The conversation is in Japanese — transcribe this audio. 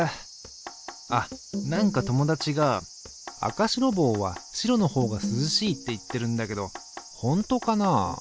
あっ何か友達が赤白帽は白のほうが涼しいって言ってるんだけどほんとかな。